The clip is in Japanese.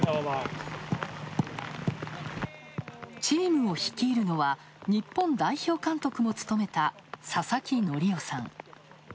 チームを率いるのは、日本代表監督も務めた佐々木則夫さん。